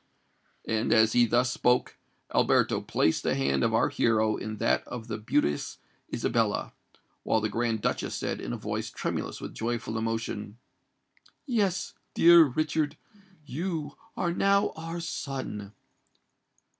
And, as he thus spoke, Alberto placed the hand of our hero in that of the beauteous Isabella, while the Grand Duchess said in a voice tremulous with joyful emotion, "Yes, dear Richard—you are now our son!"